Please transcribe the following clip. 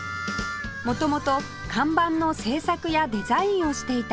元々看板の制作やデザインをしていた宮本さん